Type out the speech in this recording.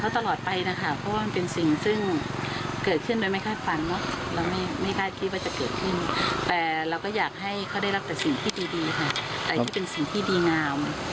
แต่เราก็อยากให้เขาได้รับแต่สิ่งที่ดีค่ะแต่อันนี้เป็นสิ่งที่ดีงาม